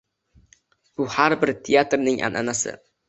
Bu har bir teatrning anʼanasi.